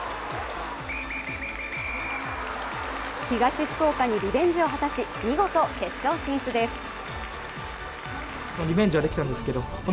東福岡にリベンジを果たし、見事決勝進出です。